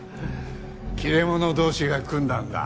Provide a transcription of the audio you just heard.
切れ者同士が組んだんだ。